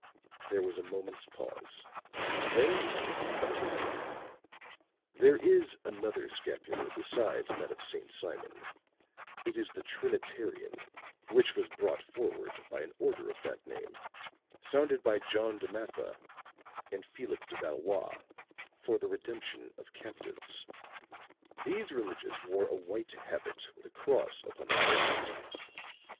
There was a moment's pause, then the speaker continued: "There is another scapular beside that of St. Simon; it is the Trinitarian, which was brought forward by an order of that name, founded by John de Matha, and Felix de Valois for the redemption of captives. These religious wore a white habit with a cross upon the breast.